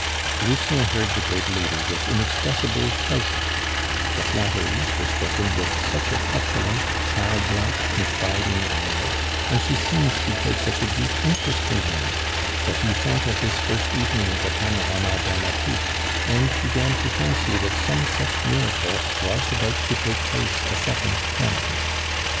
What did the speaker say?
Lucien heard the great lady with inexpressible pleasure; the flatteries were spoken with such a petulant, childlike, confiding air, and she seemed to take such a deep interest in him, that he thought of his first evening at the Panorama Dramatique, and began to fancy that some such miracle was about to take place a second time.